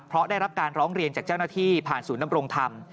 เพราะได้รับการร้องเรียนจากเจ้าหน้าที่ผ่านศูนย์นำรงธรรม